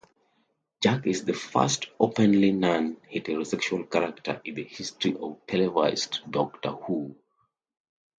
Jack is the first openly non-heterosexual character in the history of televised "Doctor Who".